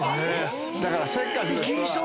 だから。